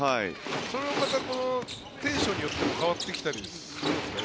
それもまた、テンションによって変わってきたりするんですかね。